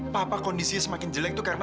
papa kondisinya semakin jelek itu karena